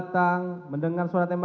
tapi kalau sebelumnya